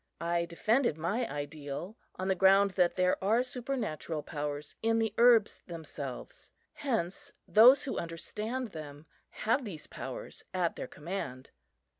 I defended my ideal on the ground that there are supernatural powers in the herbs themselves; hence those who understand them have these powers at their command.